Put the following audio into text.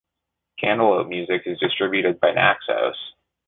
Cantaloupe Music is distributed by Naxos.